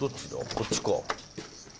こっちか。